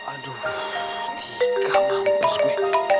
aduh tika mampus gue